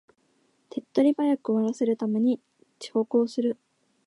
手っ取り早く終わらせるために長考する